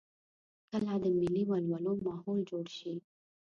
کله د ملي ولولو ماحول جوړ شي.